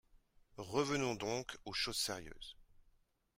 Revenons donc aux choses sérieuses.